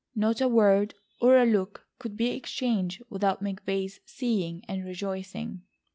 Not a word or a look could be exchanged without McVay's seeing and rejoicing.